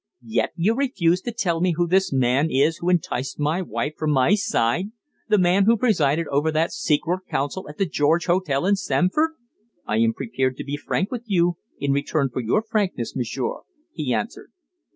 "Yet you refuse to tell me who this man is who enticed my wife from my side the man who presided over that secret council at the George Hotel at Stamford!" "I am prepared to be frank with you in return for your frankness, monsieur," he answered.